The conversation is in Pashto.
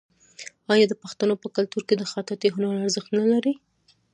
آیا د پښتنو په کلتور کې د خطاطۍ هنر ارزښت نلري؟